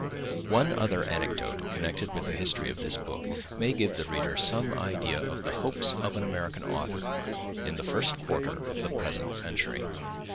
One other anecdote connected with the history of this book may give the reader some idea of the hopes of an American author, in the first quarter of the present century.